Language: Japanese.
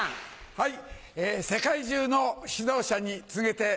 はい。